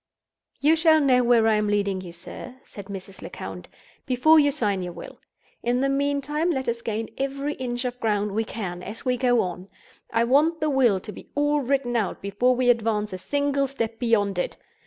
"You shall know where I am leading you, sir," said Mrs. Lecount, "before you sign your will. In the meantime, let us gain every inch of ground we can, as we go on. I want the will to be all written out before we advance a single step beyond it.